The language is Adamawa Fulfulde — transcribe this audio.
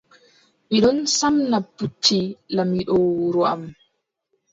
Mi ɗon samna pucci laamiiɗo wuro am.